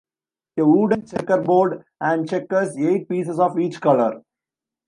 A wooden checkerboard and checkers, eight pieces of each colour.